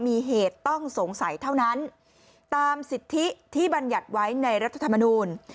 มีเหตุต้องสงสัยเท่านั้นตามสิทธิที่บรรยัติไว้ในรัฐธรรมนูล